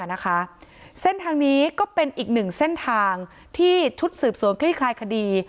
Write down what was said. เส้นทางนี้ก็เป็นอีกหนึ่งเส้นทางที่ชุดสืบสวนคลี่คลายคดี